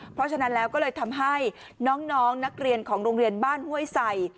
เพราะฉะนั้นแล้วก็เลยทำให้น้องนักเรียนของโรงเรียนบ้านห้วยใส่